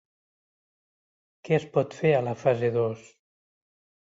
Què es pot fer a la fase dos?